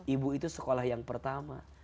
ibu itu sekolah yang pertama